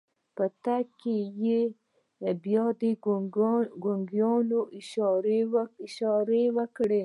په تګ کې يې بيا د ګونګيانو اشارې وکړې.